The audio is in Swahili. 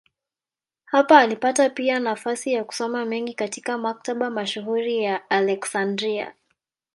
Hapa alipata pia nafasi ya kusoma mengi katika maktaba mashuhuri ya Aleksandria.